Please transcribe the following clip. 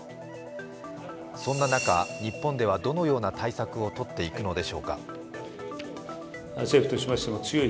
そんな中、日本ではどのような対策を取っていくのでしょうか。